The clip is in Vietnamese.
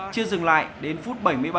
chưa dừng lại đến phút bảy mươi bảy